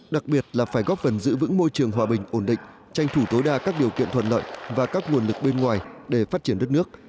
đặc biệt là phải góp phần giữ vững môi trường hòa bình ổn định tranh thủ tối đa các điều kiện thuận lợi và các nguồn lực bên ngoài để phát triển đất nước